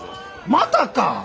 またか！？